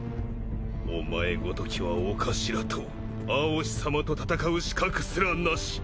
お前ごときは御頭と蒼紫さまと戦う資格すらなし。